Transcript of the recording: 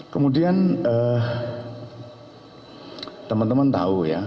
kemudian teman teman tahu ya